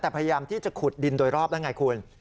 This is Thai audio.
แต่พยายามที่จะขุดดินโดยรอบแล้วไงคุณ